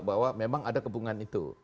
bahwa memang ada kebungan itu